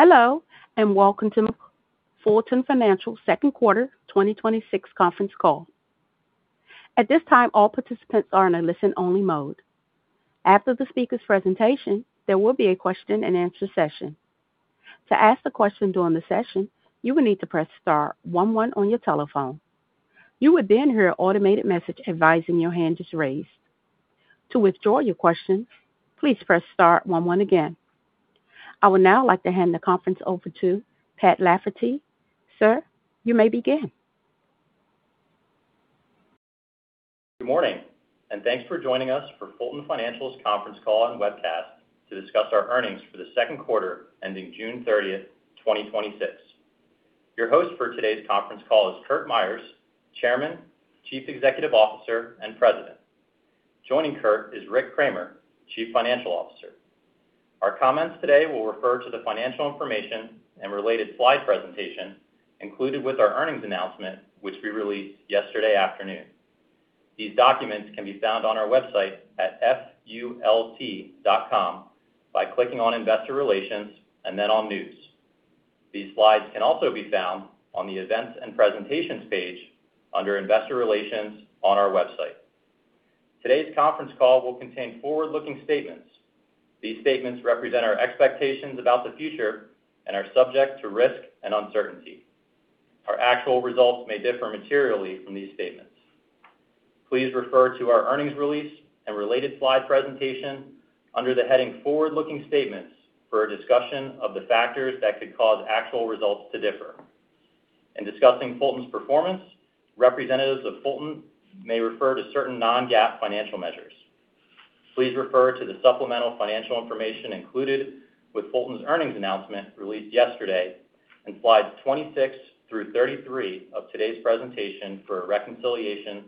Hello. Welcome to Fulton Financial second quarter 2026 conference call. At this time, all participants are in a listen-only mode. After the speaker's presentation, there will be a question and answer session. To ask the question during the session, you will need to press star one one on your telephone. You would then hear an automated message advising your hand is raised. To withdraw your question, please press star one one again. I would now like to hand the conference over to Pat Lafferty. Sir, you may begin. Good morning. Thanks for joining us for Fulton Financial's conference call and webcast to discuss our earnings for the second quarter ending June 30th, 2026. Your host for today's conference call is Curt Myers, Chairman, Chief Executive Officer, and President. Joining Curt is Rick Kraemer, Chief Financial Officer. Our comments today will refer to the financial information and related slide presentation included with our earnings announcement, which we released yesterday afternoon. These documents can be found on our website at fult.com by clicking on Investor Relations and then on News. These slides can also be found on the Events and Presentations page under Investor Relations on our website. Today's conference call will contain forward-looking statements. These statements represent our expectations about the future and are subject to risk and uncertainty. Our actual results may differ materially from these statements. Please refer to our earnings release and related slide presentation under the heading Forward-Looking Statements for a discussion of the factors that could cause actual results to differ. In discussing Fulton's performance, representatives of Fulton may refer to certain non-GAAP financial measures. Please refer to the supplemental financial information included with Fulton's earnings announcement released yesterday and slides 26 through 33 of today's presentation for a reconciliation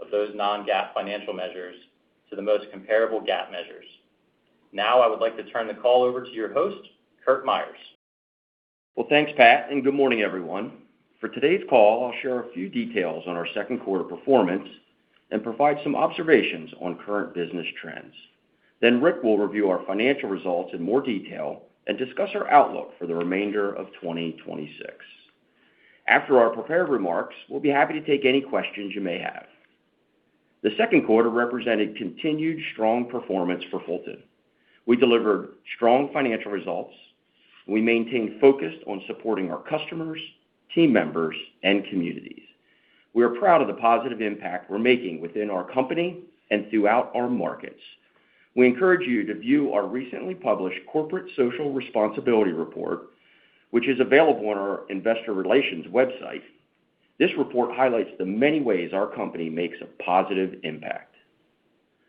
of those non-GAAP financial measures to the most comparable GAAP measures. Now I would like to turn the call over to your host, Curt Myers. Well, thanks, Pat. Good morning, everyone. For today's call, I'll share a few details on our second quarter performance and provide some observations on current business trends. Rick will review our financial results in more detail and discuss our outlook for the remainder of 2026. After our prepared remarks, we'll be happy to take any questions you may have. The second quarter represented continued strong performance for Fulton. We delivered strong financial results. We maintained focus on supporting our customers, team members, and communities. We are proud of the positive impact we're making within our company and throughout our markets. We encourage you to view our recently published corporate social responsibility report, which is available on our investor relations website. This report highlights the many ways our company makes a positive impact.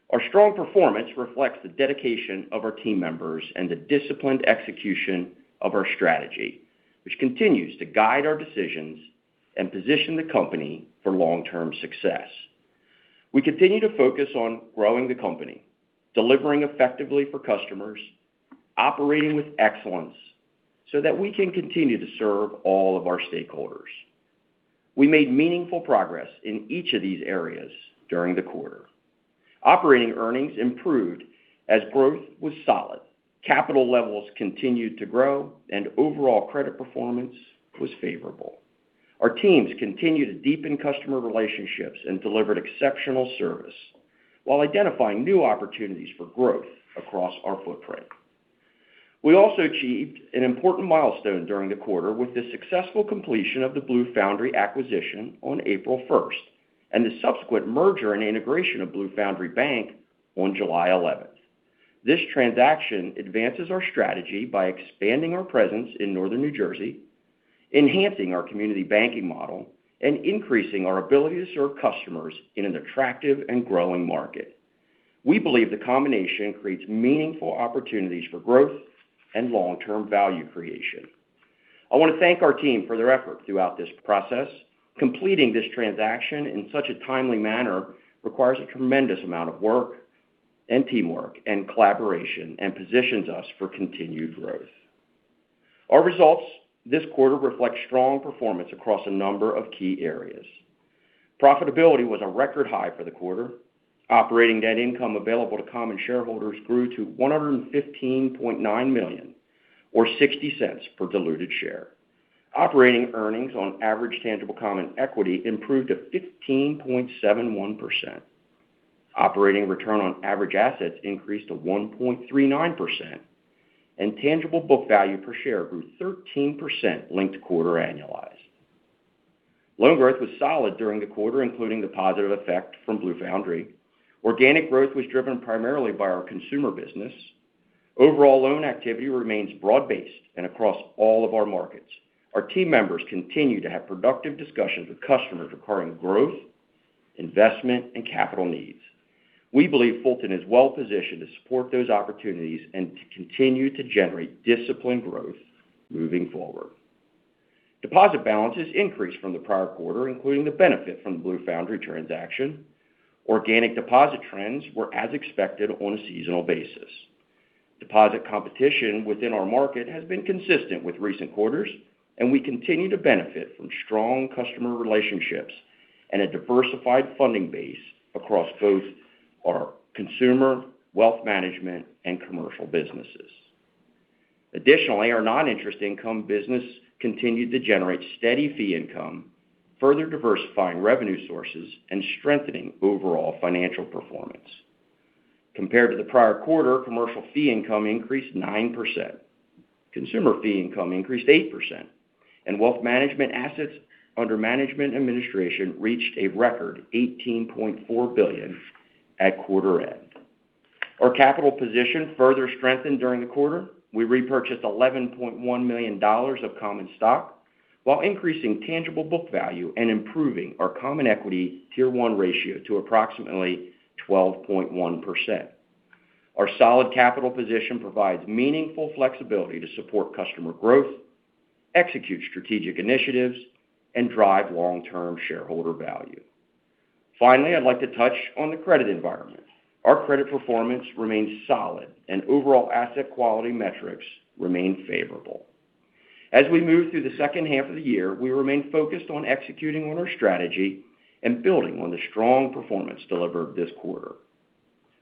Our strong performance reflects the dedication of our team members and the disciplined execution of our strategy, which continues to guide our decisions and position the company for long-term success. We continue to focus on growing the company, delivering effectively for customers, operating with excellence so that we can continue to serve all of our stakeholders. We made meaningful progress in each of these areas during the quarter. Operating earnings improved as growth was solid. Capital levels continued to grow and overall credit performance was favorable. Our teams continued to deepen customer relationships and delivered exceptional service while identifying new opportunities for growth across our footprint. We also achieved an important milestone during the quarter with the successful completion of the Blue Foundry acquisition on April 1st and the subsequent merger and integration of Blue Foundry Bank on July 11th. This transaction advances our strategy by expanding our presence in Northern New Jersey, enhancing our community banking model, and increasing our ability to serve customers in an attractive and growing market. We believe the combination creates meaningful opportunities for growth and long-term value creation. I want to thank our team for their effort throughout this process. Completing this transaction in such a timely manner requires a tremendous amount of work and teamwork and collaboration and positions us for continued growth. Our results this quarter reflect strong performance across a number of key areas. Profitability was a record high for the quarter. Operating net income available to common shareholders grew to $115.9 million or $0.60 per diluted share. Operating earnings on average tangible common equity improved to 15.71%. Operating return on average assets increased to 1.39%, and tangible book value per share grew 13% linked quarter annualized. Loan growth was solid during the quarter, including the positive effect from Blue Foundry. Organic growth was driven primarily by our consumer business. Overall loan activity remains broad-based and across all of our markets. Our team members continue to have productive discussions with customers regarding growth, investment, and capital needs. We believe Fulton is well positioned to support those opportunities and to continue to generate disciplined growth moving forward. Deposit balances increased from the prior quarter, including the benefit from the Blue Foundry transaction. Organic deposit trends were as expected on a seasonal basis. Deposit competition within our market has been consistent with recent quarters, and we continue to benefit from strong customer relationships and a diversified funding base across both our consumer, wealth management, and commercial businesses. Additionally, our non-interest income business continued to generate steady fee income, further diversifying revenue sources and strengthening overall financial performance. Compared to the prior quarter, commercial fee income increased 9%, consumer fee income increased 8%, and wealth management assets under management administration reached a record $18.4 billion at quarter end. Our capital position further strengthened during the quarter. We repurchased $11.1 million of common stock while increasing tangible book value and improving our Common Equity Tier 1 ratio to approximately 12.1%. Our solid capital position provides meaningful flexibility to support customer growth, execute strategic initiatives, and drive long-term shareholder value. Finally, I'd like to touch on the credit environment. Our credit performance remains solid, and overall asset quality metrics remain favorable. As we move through the second half of the year, we remain focused on executing on our strategy and building on the strong performance delivered this quarter.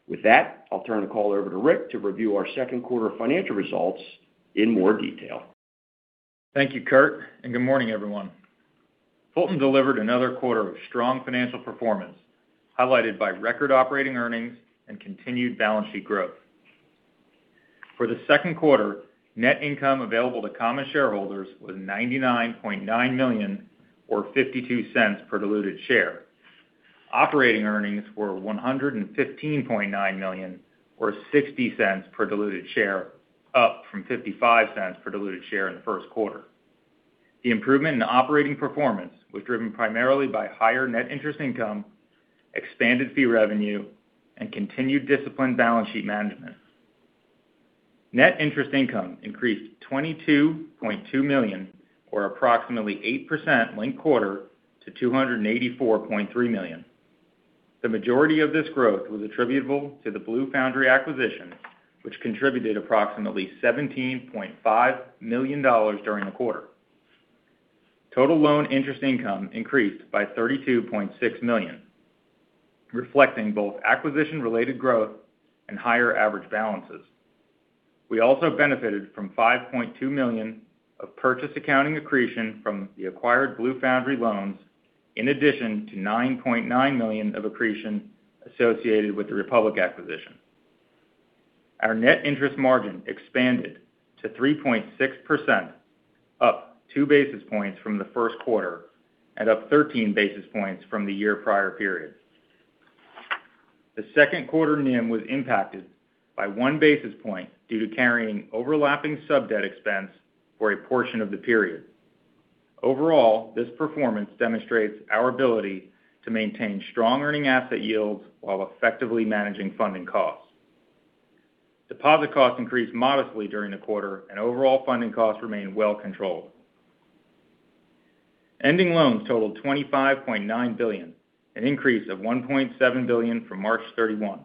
With that, I'll turn the call over to Rick to review our second quarter financial results in more detail. Thank you, Curt, and good morning, everyone. Fulton delivered another quarter of strong financial performance, highlighted by record operating earnings and continued balance sheet growth. For the second quarter, net income available to common shareholders was $99.9 million or $0.52 per diluted share. Operating earnings were $115.9 million, or $0.60 per diluted share, up from $0.55 per diluted share in the first quarter. The improvement in operating performance was driven primarily by higher net interest income, expanded fee revenue, and continued disciplined balance sheet management. Net interest income increased $22.2 million, or approximately 8% linked quarter to $284.3 million. The majority of this growth was attributable to the Blue Foundry acquisition, which contributed approximately $17.5 million during the quarter. Total loan interest income increased by $32.6 million, reflecting both acquisition-related growth and higher average balances. We also benefited from $5.2 million of purchase accounting accretion from the acquired Blue Foundry loans, in addition to $9.9 million of accretion associated with the Republic acquisition. Our net interest margin expanded to 3.6%, up two basis points from the first quarter and up 13 basis points from the year-prior period. The second quarter NIM was impacted by one basis point due to carrying overlapping sub-debt expense for a portion of the period. Overall, this performance demonstrates our ability to maintain strong earning asset yields while effectively managing funding costs. Deposit costs increased modestly during the quarter, and overall funding costs remained well controlled. Ending loans totaled $25.9 billion, an increase of $1.7 billion from March 31.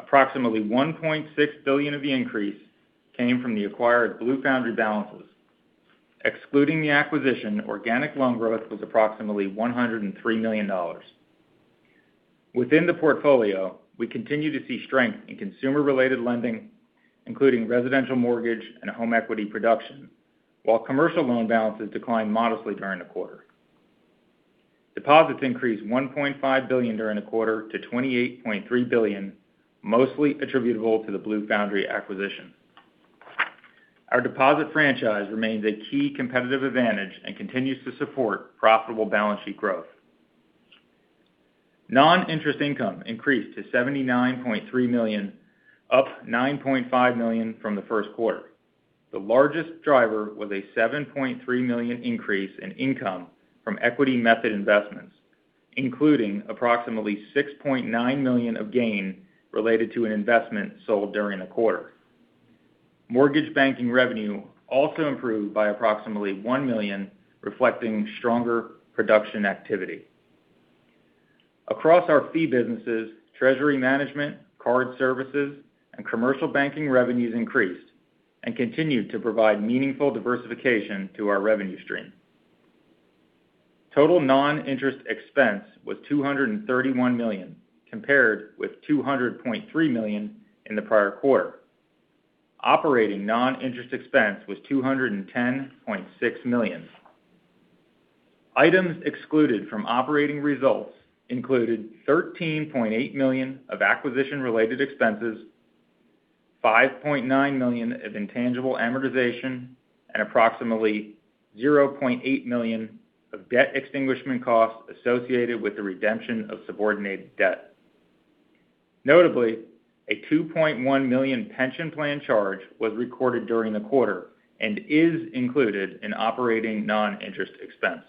Approximately $1.6 billion of the increase came from the acquired Blue Foundry balances. Excluding the acquisition, organic loan growth was approximately $103 million. Within the portfolio, we continue to see strength in consumer-related lending, including residential mortgage and home equity production. While commercial loan balances declined modestly during the quarter. Deposits increased $1.5 billion during the quarter to $28.3 billion, mostly attributable to the Blue Foundry acquisition. Our deposit franchise remains a key competitive advantage and continues to support profitable balance sheet growth. Non-interest income increased to $79.3 million, up $9.5 million from the first quarter. The largest driver was a $7.3 million increase in income from equity method investments, including approximately $6.9 million of gain related to an investment sold during the quarter. Mortgage banking revenue also improved by approximately $1 million, reflecting stronger production activity. Across our fee businesses, treasury management, card services, and commercial banking revenues increased and continued to provide meaningful diversification to our revenue stream. Total non-interest expense was $231 million, compared with $200.3 million in the prior quarter. Operating non-interest expense was $210.6 million. Items excluded from operating results included $13.8 million of acquisition-related expenses, $5.9 million of intangible amortization, and approximately $0.8 million of debt extinguishment costs associated with the redemption of subordinated debt. Notably, a $2.1 million pension plan charge was recorded during the quarter and is included in operating non-interest expense.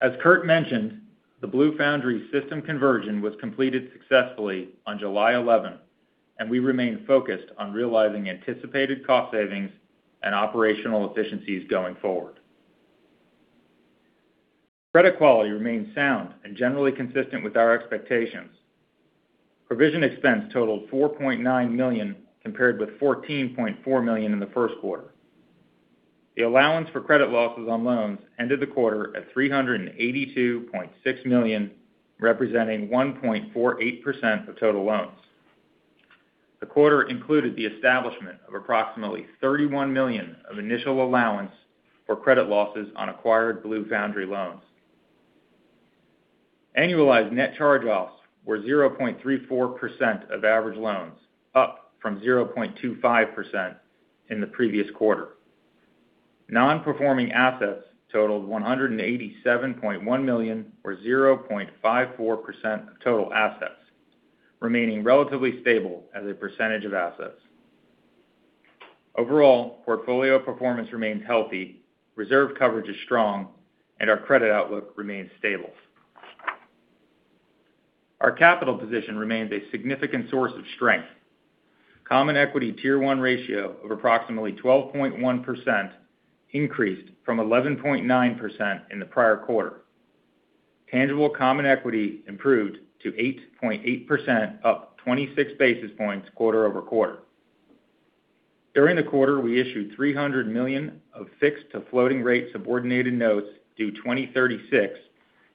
As Curt mentioned, the Blue Foundry system conversion was completed successfully on July 11, and we remain focused on realizing anticipated cost savings and operational efficiencies going forward. Credit quality remains sound and generally consistent with our expectations. Provision expense totaled $4.9 million, compared with $14.4 million in the first quarter. The allowance for credit losses on loans ended the quarter at $382.6 million, representing 1.48% of total loans. The quarter included the establishment of approximately $31 million of initial allowance for credit losses on acquired Blue Foundry loans. Annualized net charge-offs were 0.34% of average loans, up from 0.25% in the previous quarter. Non-performing assets totaled $187.1 million, or 0.54% of total assets, remaining relatively stable as a percentage of assets. Overall, portfolio performance remains healthy, reserve coverage is strong, and our credit outlook remains stable. Our capital position remains a significant source of strength. Common Equity Tier 1 ratio of approximately 12.1% increased from 11.9% in the prior quarter. Tangible common equity improved to 8.8%, up 26 basis points quarter-over-quarter. During the quarter, we issued $300 million of fixed to floating rate subordinated notes due 2036,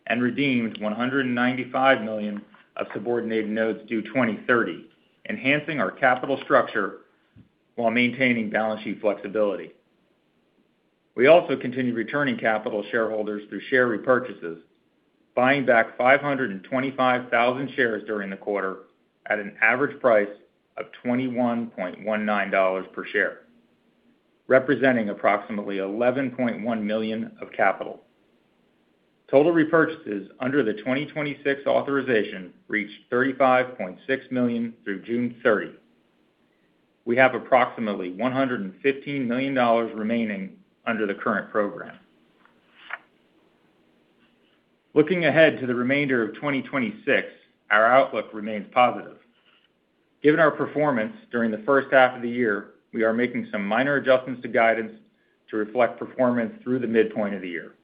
and redeemed $195 million of subordinated notes due 2030, enhancing our capital structure while maintaining balance sheet flexibility. We also continue returning capital shareholders through share repurchases, buying back 525,000 shares during the quarter at an average price of $21.19 per share, representing approximately $11.1 million of capital. Total repurchases under the 2026 authorization reached $35.6 million through June 30. We have approximately $115 million remaining under the current program. Looking ahead to the remainder of 2026, our outlook remains positive. Given our performance during the first half of the year, we are making some minor adjustments to guidance to reflect performance through the midpoint of the year.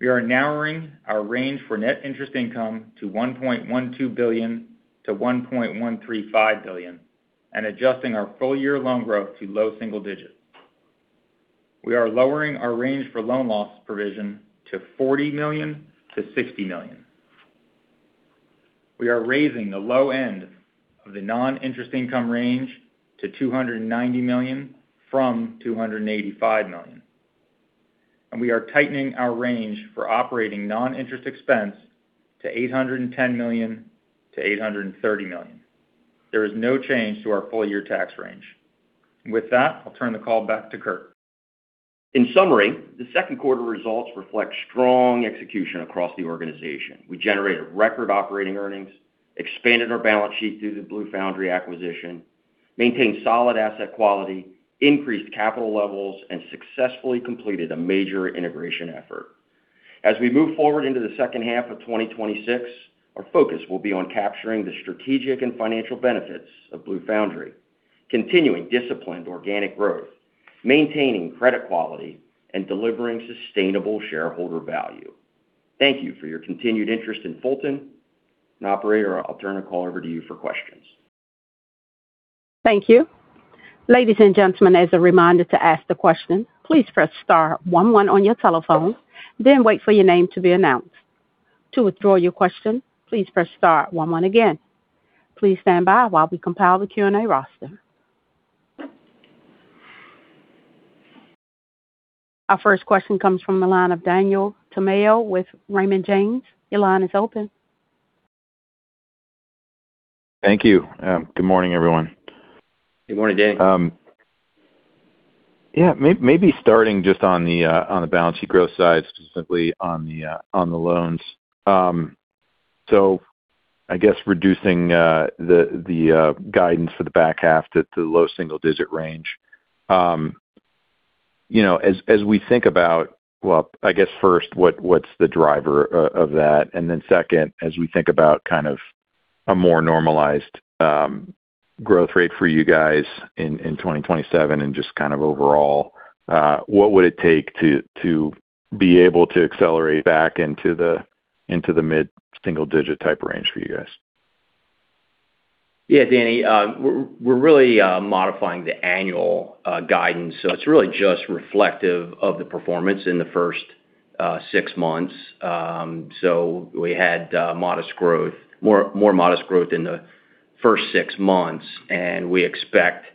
We are narrowing our range for net interest income to $1.12 billion-$1.135 billion and adjusting our full year loan growth to low single digits. We are lowering our range for loan loss provision to $40 million-$60 million. We are raising the low end of the non-interest income range to $290 million from $285 million. We are tightening our range for operating non-interest expense to $810 million-$830 million. There is no change to our full year tax range. With that, I'll turn the call back to Curt. In summary, the second quarter results reflect strong execution across the organization. We generated record operating earnings, expanded our balance sheet through the Blue Foundry acquisition, maintained solid asset quality, increased capital levels, and successfully completed a major integration effort. As we move forward into the second half of 2026, our focus will be on capturing the strategic and financial benefits of Blue Foundry, continuing disciplined organic growth, maintaining credit quality, and delivering sustainable shareholder value. Thank you for your continued interest in Fulton. Now operator, I'll turn the call over to you for questions. Thank you. Ladies and gentlemen, as a reminder to ask the question, please press star one one on your telephone, then wait for your name to be announced. To withdraw your question, please press star one one again. Please stand by while we compile the Q&A roster. Our first question comes from the line of Daniel Tamayo with Raymond James. Your line is open. Thank you. Good morning, everyone. Good morning, Danny. Yeah, maybe starting just on the balance sheet growth side, specifically on the loans. I guess reducing the guidance for the back half to low single-digit range. As we think about, well, I guess first, what's the driver of that? Second, as we think about a more normalized growth rate for you guys in 2027 and just overall, what would it take to be able to accelerate back into the mid-single-digit type range for you guys? Yeah, Danny. We're really modifying the annual guidance. It's really just reflective of the performance in the first six months. We had more modest growth in the first six months, and we expect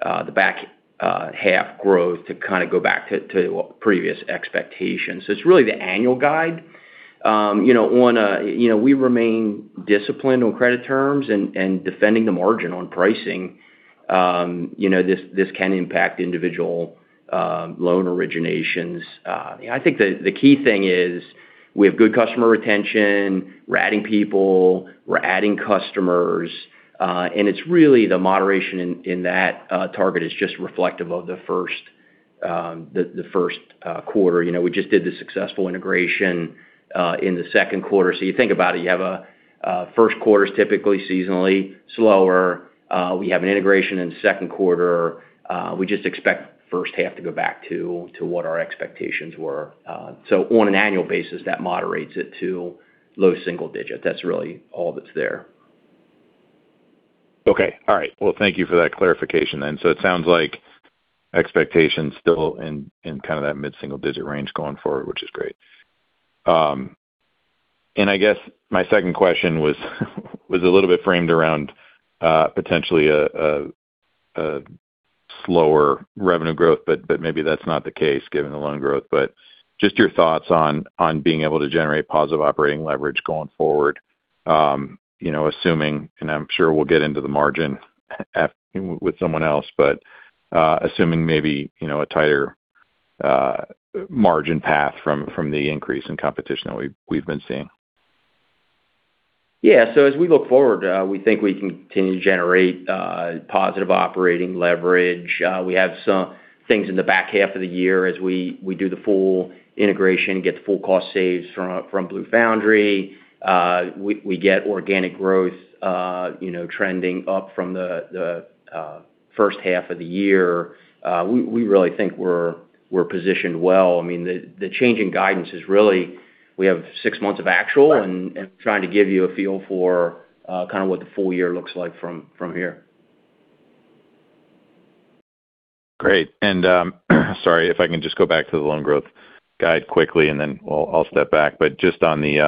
the back half growth to go back to previous expectations. It's really the annual guide. We remain disciplined on credit terms and defending the margin on pricing. This can impact individual loan originations. I think the key thing is we have good customer retention. We're adding people, we're adding customers. It's really the moderation in that target is just reflective of the first quarter. We just did the successful integration in the second quarter. You think about it, you have a first quarter is typically seasonally slower. We have an integration in the second quarter. We just expect the first half to go back to what our expectations were. On an annual basis, that moderates it to low single digit. That's really all that's there. Okay. All right. Well, thank you for that clarification then. It sounds like expectations still in kind of that mid-single digit range going forward, which is great. I guess my second question was a little bit framed around potentially a slower revenue growth, but maybe that's not the case given the loan growth. Just your thoughts on being able to generate positive operating leverage going forward, assuming, and I'm sure we'll get into the margin with someone else, but assuming maybe a tighter margin path from the increase in competition that we've been seeing. Yeah. As we look forward, we think we continue to generate positive operating leverage. We have some things in the back half of the year as we do the full integration, get the full cost saves from Blue Foundry. We get organic growth trending up from the first half of the year. We really think we're positioned well. The change in guidance is really, we have six months of actual and trying to give you a feel for kind of what the full year looks like from here. Sorry, if I can just go back to the loan growth guide quickly, then I'll step back. Just on the--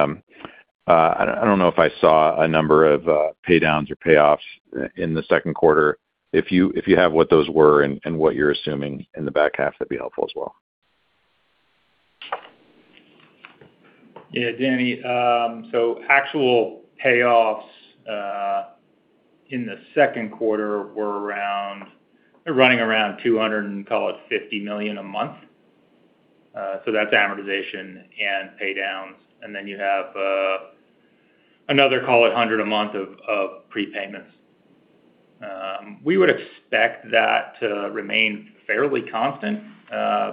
I don't know if I saw a number of pay downs or payoffs in the second quarter. If you have what those were and what you're assuming in the back half, that'd be helpful as well. Yeah, Danny. Actual payoffs in the second quarter were running around $250 million a month. That's amortization and pay downs. Then you have another, call it, $100 a month of prepayments. We would expect that to remain fairly constant,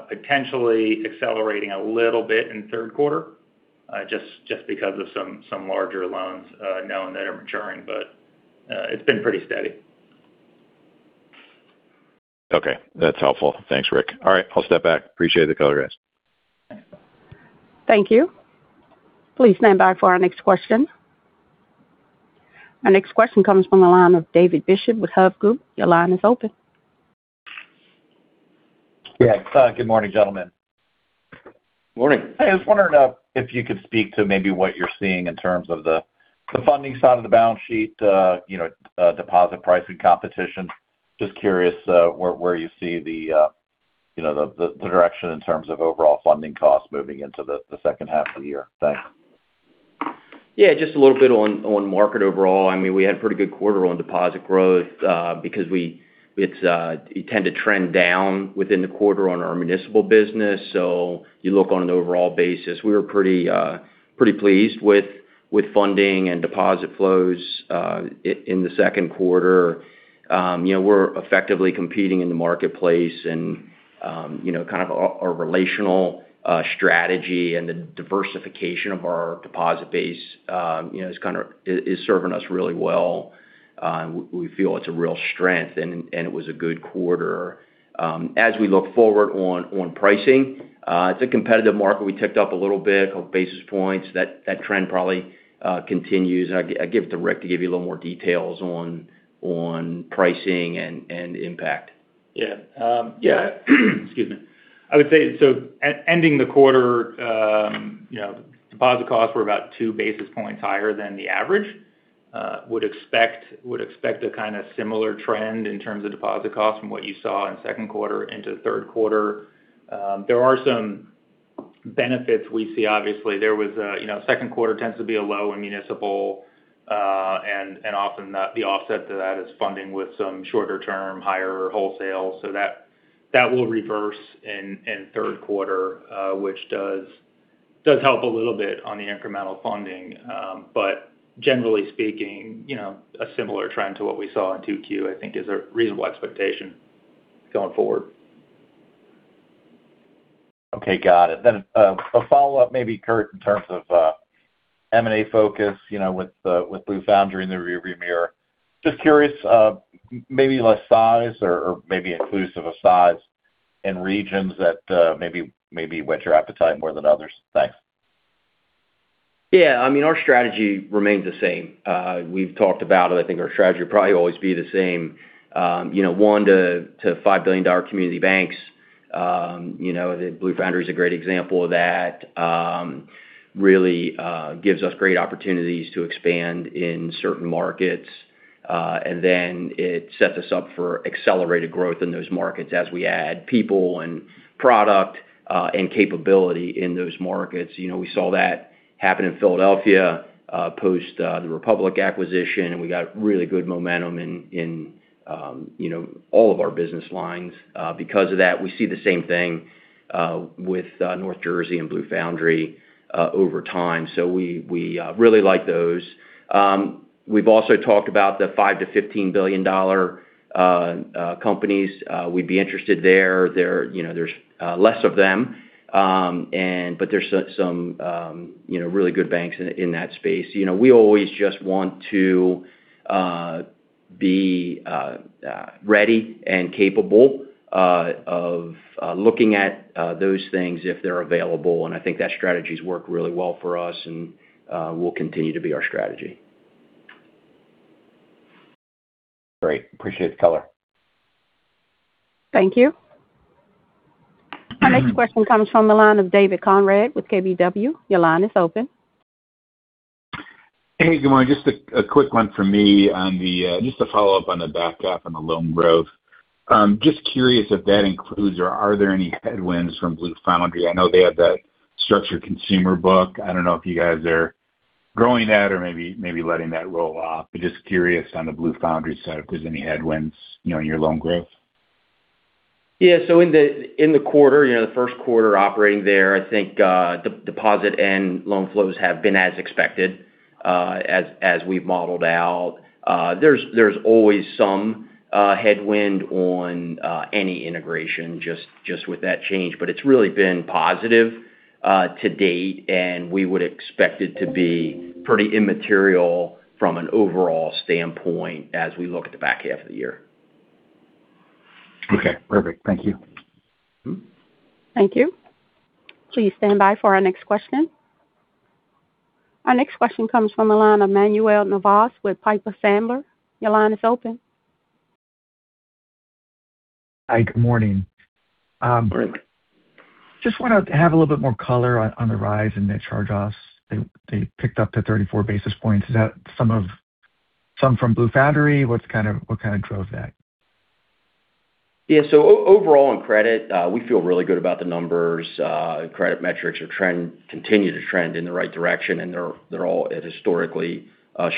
potentially accelerating a little bit in the third quarter, just because of some larger loans known that are maturing. It's been pretty steady. Okay. That's helpful. Thanks, Rick. All right, I'll step back. Appreciate the color, guys. Thank you. Please stand by for our next question. Our next question comes from the line of David Bishop with Hovde Group. Your line is open. Yeah. Good morning, gentlemen. Morning. Hey, I was wondering if you could speak to maybe what you're seeing in terms of the funding side of the balance sheet, deposit pricing competition. Just curious where you see the direction in terms of overall funding costs moving into the second half of the year. Thanks. Yeah. Just a little bit on market overall. We had a pretty good quarter on deposit growth because it tend to trend down within the quarter on our municipal business. You look on an overall basis. We were pretty pleased with funding and deposit flows in the second quarter. We're effectively competing in the marketplace and kind of our relational strategy and the diversification of our deposit base is serving us really well. We feel it's a real strength, and it was a good quarter. As we look forward on pricing, it's a competitive market. We ticked up a little bit of basis points. That trend probably continues. I give it to Rick to give you a little more details on pricing and impact. Yeah. Excuse me. I would say, ending the quarter, deposit costs were about two basis points higher than the average. Would expect a kind of similar trend in terms of deposit costs from what you saw in second quarter into third quarter. There are some benefits we see, obviously. Second quarter tends to be a low in municipal, and often the offset to that is funding with some shorter-term, higher wholesale. That will reverse in third quarter, which does help a little bit on the incremental funding. Generally speaking, a similar trend to what we saw in 2Q, I think is a reasonable expectation going forward. Okay. Got it. A follow-up maybe, Curt, in terms of M&A focus, with Blue Foundry and the rearview mirror. Just curious, maybe less size or maybe inclusive of size and regions that maybe whet your appetite more than others. Thanks. Yeah. Our strategy remains the same. We've talked about it. I think our strategy will probably always be the same. $1 billion-$5 billion community banks. Blue Foundry is a great example of that. Really gives us great opportunities to expand in certain markets. It sets us up for accelerated growth in those markets as we add people and product and capability in those markets. We saw that happen in Philadelphia post the Republic acquisition, and we got really good momentum in all of our business lines because of that. We see the same thing with North Jersey and Blue Foundry over time. We really like those. We've also talked about the $5 billion-$15 billion companies. We'd be interested there. There's less of them. There's some really good banks in that space. We always just want to be ready and capable of looking at those things if they're available, and I think that strategy's worked really well for us and will continue to be our strategy. Great. Appreciate the color. Thank you. Our next question comes from the line of David Konrad with KBW. Your line is open. Hey, good morning. Just a quick one from me. Just a follow-up on the back half on the loan growth. Just curious if that includes, or are there any headwinds from Blue Foundry? I know they have that structured consumer book. I don't know if you guys are growing that or maybe letting that roll off. Just curious on the Blue Foundry side, if there's any headwinds in your loan growth. Yeah. In the first quarter operating there, I think deposit and loan flows have been as expected as we've modeled out. There's always some headwind on any integration just with that change. It's really been positive to date, and we would expect it to be pretty immaterial from an overall standpoint as we look at the back half of the year. Okay, perfect. Thank you. Thank you. Please stand by for our next question. Our next question comes from the line of Manuel Navas with Piper Sandler. Your line is open. Hi, good morning. Good morning. Just want to have a little bit more color on the rise in net charge-offs. They picked up to 34 basis points. Is that some from Blue Foundry? What kind of drove that? Yeah. Overall in credit, we feel really good about the numbers. Credit metrics continue to trend in the right direction, and they're all at historically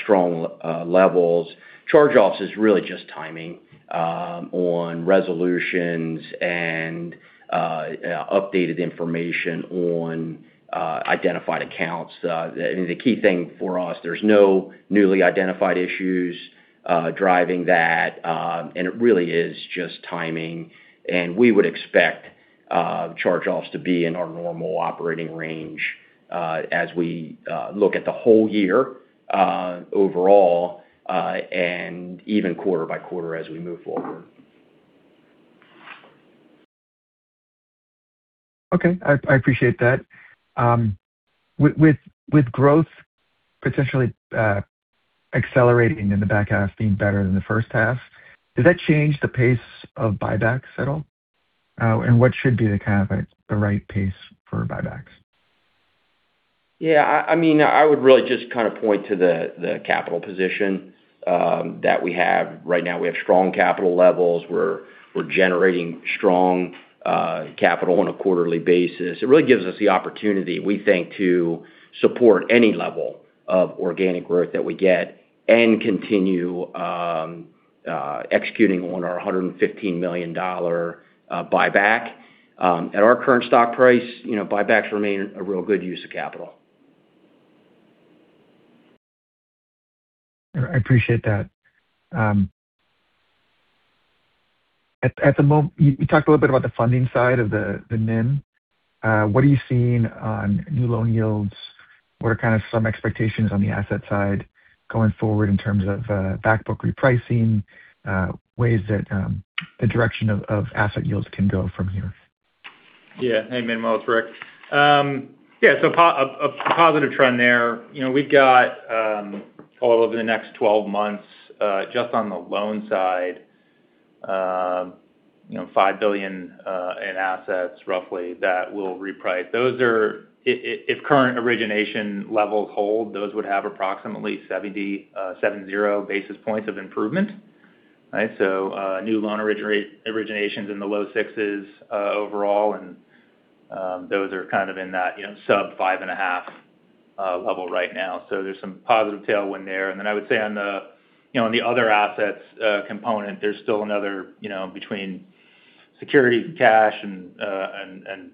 strong levels. Charge-offs is really just timing on resolutions and updated information on identified accounts. I mean, the key thing for us, there's no newly identified issues driving that. It really is just timing. We would expect charge-offs to be in our normal operating range as we look at the whole year overall, and even quarter by quarter as we move forward. Okay. I appreciate that. With growth potentially accelerating in the back half being better than the first half, does that change the pace of buybacks at all? What should be the right pace for buybacks? Yeah. I would really just point to the capital position that we have right now. We have strong capital levels. We're generating strong capital on a quarterly basis. It really gives us the opportunity, we think, to support any level of organic growth that we get and continue executing on our $115 million buyback. At our current stock price, buybacks remain a real good use of capital. I appreciate that. You talked a little bit about the funding side of the NIM. What are you seeing on new loan yields? What are some expectations on the asset side going forward in terms of back book repricing, ways that the direction of asset yields can go from here? Yeah. Hey, Manuel. It's Rick. Yeah. A positive trend there. We've got, all over the next 12 months, just on the loan side, $5 billion in assets roughly that will reprice. If current origination levels hold, those would have approximately 7-0 basis points of improvement. Right? New loan originations in the low sixes overall, and those are kind of in that sub five-and-a-half level right now. There's some positive tailwind there. Then I would say on the other assets component, there's still another between security for cash and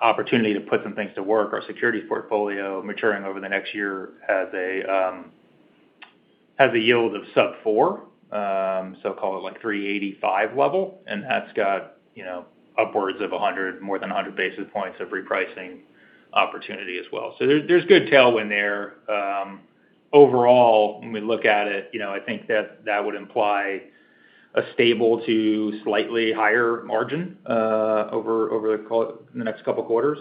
opportunity to put some things to work. Our securities portfolio maturing over the next year has a yield of sub-four, so call it like 385 level, and that's got upwards of more than 100 basis points of repricing opportunity as well. There's good tailwind there. Overall, when we look at it, I think that would imply a stable to slightly higher margin over the next couple of quarters.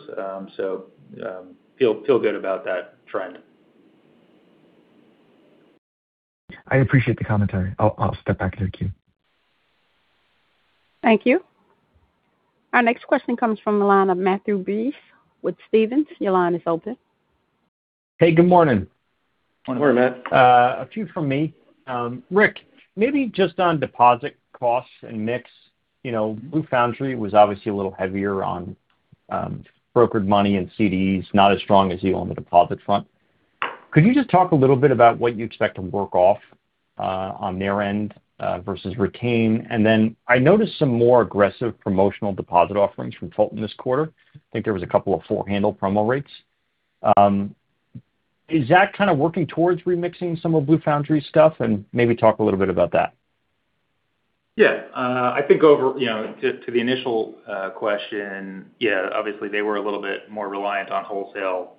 Feel good about that trend. I appreciate the commentary. I'll step back into the queue. Thank you. Our next question comes from the line of Matthew B. with Stephens. Your line is open. Hey, good morning. Morning, Matt. A few from me. Rick, maybe just on deposit costs and mix. Blue Foundry was obviously a little heavier on brokered money and CDs, not as strong as you on the deposit front. Could you just talk a little bit about what you expect to work off on their end versus retain? I noticed some more aggressive promotional deposit offerings from Fulton this quarter. I think there was a couple of four-handle promo rates. Is that kind of working towards remixing some of Blue Foundry's stuff? Maybe talk a little bit about that. Yeah. I think to the initial question, obviously they were a little bit more reliant on wholesale.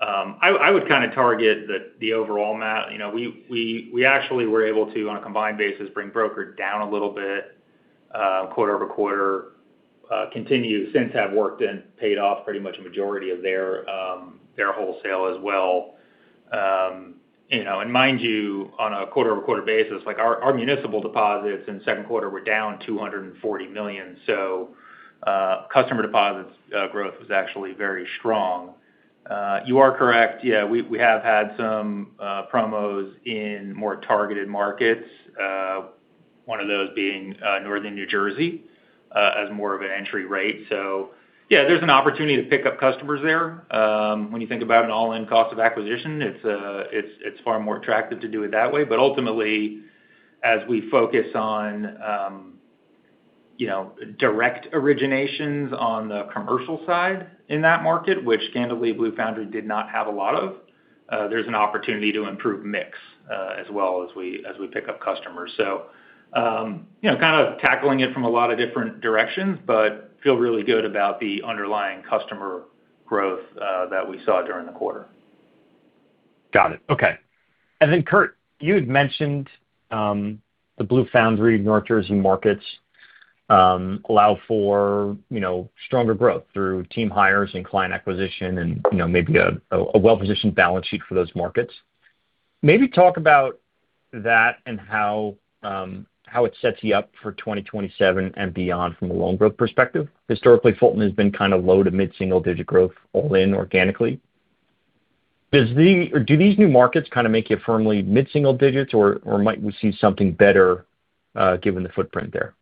I would target that the overall, Matt. We actually were able to, on a combined basis, bring broker down a little bit quarter-over-quarter. We continue since have worked and paid off pretty much a majority of their wholesale as well. Mind you, on a quarter-over-quarter basis, our municipal deposits in the second quarter were down $240 million. Customer deposits growth was actually very strong. You are correct. We have had some promos in more targeted markets. One of those being Northern New Jersey as more of an entry rate. There's an opportunity to pick up customers there. When you think about an all-in cost of acquisition, it's far more attractive to do it that way. Ultimately, as we focus on direct originations on the commercial side in that market, which candidly Blue Foundry did not have a lot of, there's an opportunity to improve mix as well as we pick up customers. Kind of tackling it from a lot of different directions, but feel really good about the underlying customer growth that we saw during the quarter. Got it. Okay. Curt, you had mentioned the Blue Foundry, New Jersey markets allow for stronger growth through team hires and client acquisition and maybe a well-positioned balance sheet for those markets. Maybe talk about that and how it sets you up for 2027 and beyond from a loan growth perspective. Historically, Fulton has been kind of low to mid-single-digit growth all-in organically. Do these new markets kind of make you firmly mid-single digits, or might we see something better given the footprint there?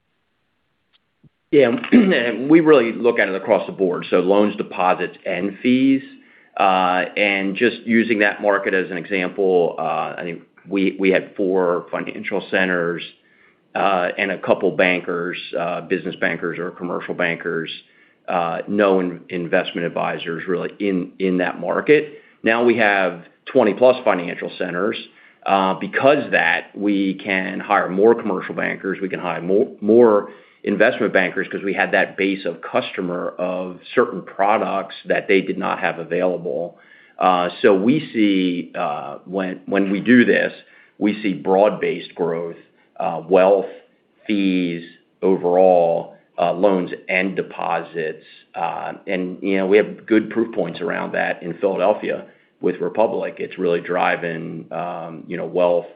Yeah. We really look at it across the board. Loans, deposits, and fees. Just using that market as an example, I think we had four financial centers and a couple bankers, business bankers or commercial bankers, no investment advisors really in that market. Now we have 20+ financial centers. Because of that, we can hire more commercial bankers, we can hire more investment bankers because we had that base of customer of certain products that they did not have available. When we do this, we see broad-based growth, wealth, fees, overall loans and deposits. We have good proof points around that in Philadelphia with Republic. It's really driving wealth,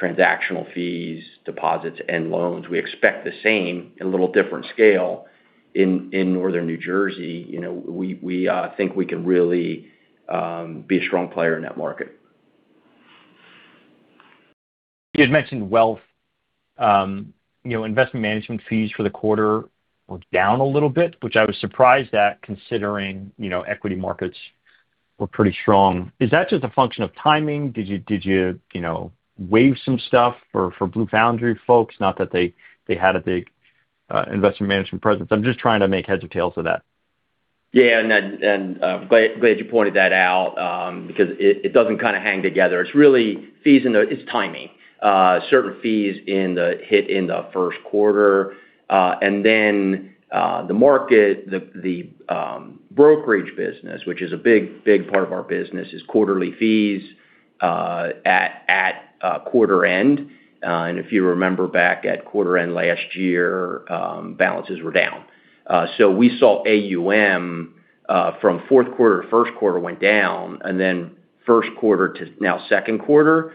transactional fees, deposits, and loans. We expect the same in a little different scale in Northern New Jersey. We think we can really be a strong player in that market. You had mentioned wealth. Investment management fees for the quarter were down a little bit, which I was surprised at, considering equity markets were pretty strong. Is that just a function of timing? Did you waive some stuff for Blue Foundry folks? Not that they had a big investment management presence. I'm just trying to make heads or tails of that. Yeah. Glad you pointed that out, because it doesn't hang together. It's timing. Certain fees hit in the first quarter. The market, the brokerage business, which is a big part of our business, is quarterly fees at quarter end. If you remember back at quarter end last year, balances were down. We saw AUM from fourth quarter to first quarter went down, then first quarter to now second quarter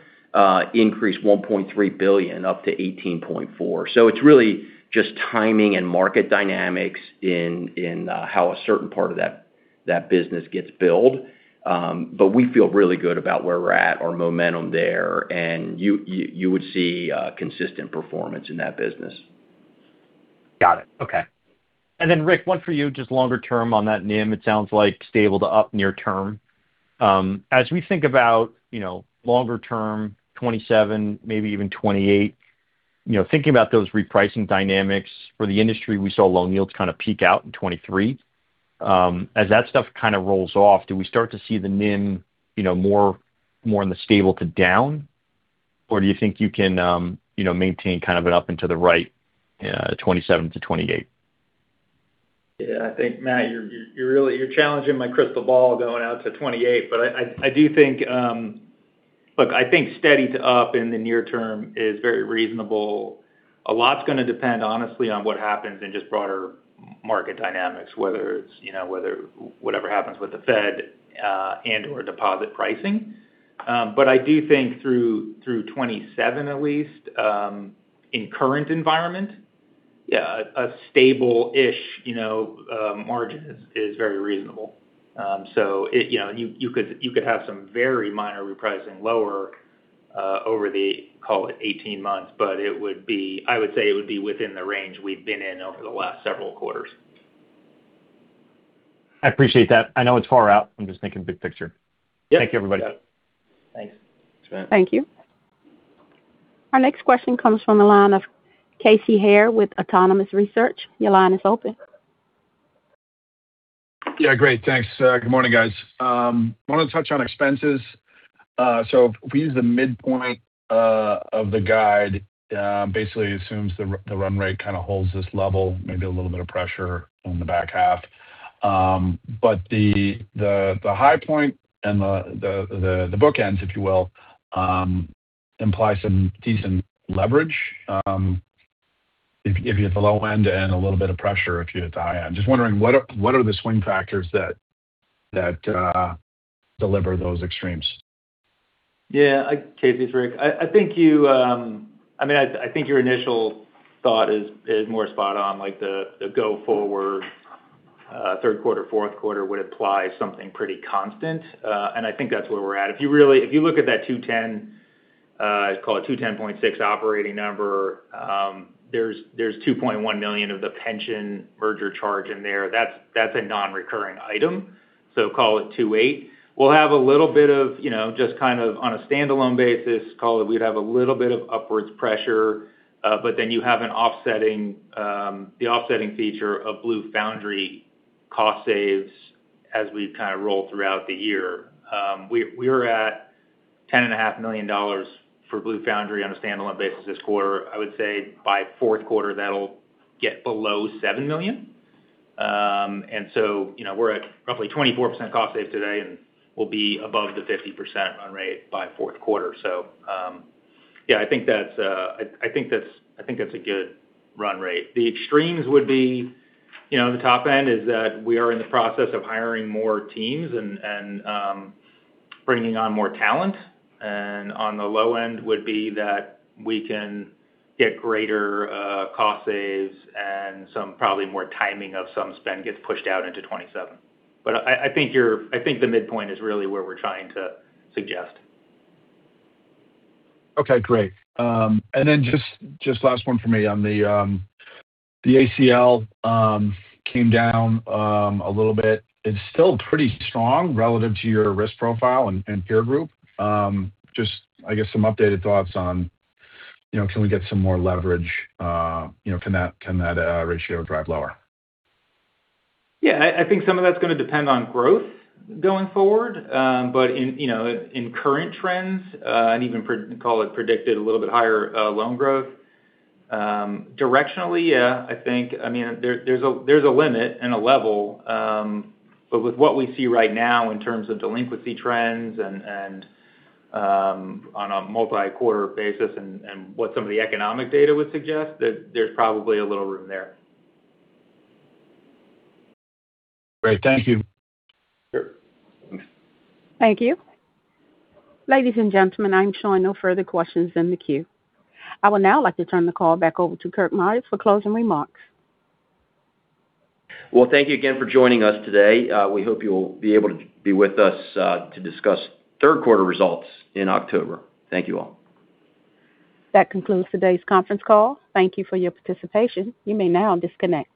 increased $1.3 billion, up to $18.4. It's really just timing and market dynamics in how a certain part of that business gets billed. We feel really good about where we're at, our momentum there, and you would see consistent performance in that business. Got it. Okay. Rick, one for you, just longer term on that NIM. It sounds like stable to up near term. As we think about longer term 2027, maybe even 2028, thinking about those repricing dynamics for the industry, we saw loan yields kind of peak out in 2023. As that stuff kind of rolls off, do we start to see the NIM more in the stable to down? Or do you think you can maintain kind of an up and to the right 2027 to 2028? Yeah, I think, Matt, you're challenging my crystal ball going out to 2028. I do think steady to up in the near term is very reasonable. A lot's going to depend, honestly, on what happens in just broader market dynamics, whether whatever happens with the Fed and/or deposit pricing. I do think through 2027 at least, in current environment, a stable-ish margin is very reasonable. You could have some very minor repricing lower over the, call it 18 months, but I would say it would be within the range we've been in over the last several quarters. I appreciate that. I know it's far out. I'm just thinking big picture. Yep. Thank you, everybody. Got it. Thanks. Thanks. Thank you. Our next question comes from the line of Casey Haire with Autonomous Research. Your line is open. Yeah, great. Thanks. Good morning, guys. I wanted to touch on expenses. If we use the midpoint of the guide, basically assumes the run rate kind of holds this level, maybe a little bit of pressure on the back half. The high point and the bookends, if you will, imply some decent leverage if you hit the low end and a little bit of pressure if you hit the high end. Just wondering, what are the swing factors that deliver those extremes? Yeah. I can take this, Rick. I think your initial thought is more spot on, like the go forward third quarter, fourth quarter would imply something pretty constant. I think that's where we're at. If you look at that 210, call it 210.6 operating number, there's $2.1 million of the pension merger charge in there. That's a non-recurring item. Call it 2.8. We'll have a little bit of, just kind of on a standalone basis, call it, we'd have a little bit of upwards pressure. Then you have the offsetting feature of Blue Foundry cost saves as we've kind of rolled throughout the year. We're at $10.5 million for Blue Foundry on a standalone basis this quarter. I would say by fourth quarter, that'll get below $7 million. We're at roughly 24% cost saves today, and we'll be above the 50% run rate by fourth quarter. Yeah, I think that's a good run rate. The extremes would be the top end is that we are in the process of hiring more teams and bringing on more talent. On the low end would be that we can get greater cost saves and probably more timing of some spend gets pushed out into 2027. I think the midpoint is really where we're trying to suggest. Okay, great. Just last one from me. On the ACL came down a little bit. It's still pretty strong relative to your risk profile and peer group. I guess some updated thoughts on can we get some more leverage, can that ratio drive lower? Yeah, I think some of that's going to depend on growth going forward. In current trends, and even call it predicted a little bit higher loan growth, directionally, I think there's a limit and a level. With what we see right now in terms of delinquency trends and on a multi-quarter basis and what some of the economic data would suggest, that there's probably a little room there. Great. Thank you. Sure. Thank you. Ladies and gentlemen, I'm showing no further questions in the queue. I would now like to turn the call back over to Curt Myers for closing remarks. Well, thank you again for joining us today. We hope you'll be able to be with us to discuss third quarter results in October. Thank you all. That concludes today's conference call. Thank you for your participation. You may now disconnect.